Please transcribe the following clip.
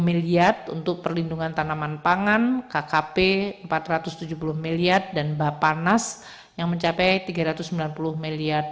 lima miliar untuk perlindungan tanaman pangan kkp rp empat ratus tujuh puluh miliar dan bapanas yang mencapai rp tiga ratus sembilan puluh miliar